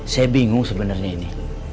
saya bingung sebenernya ini